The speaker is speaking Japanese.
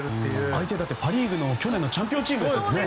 相手はパ・リーグの去年のチャンピオンチームですからね。